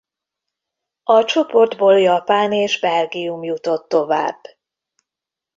A csoportból Japán és Belgium jutott tovább.